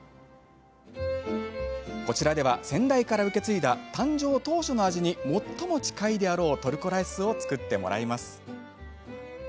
こちらでは、先代から受け継いだ誕生当初の味に最も近いであろうトルコライスを作ってもらいます。